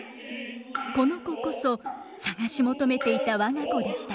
この子こそ捜し求めていた我が子でした。